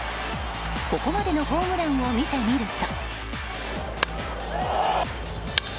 ここまでのホームランを見てみると。